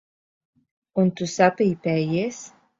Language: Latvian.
Un tu sapīpējies.